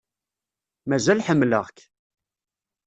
Mazal ḥemmleɣ-k.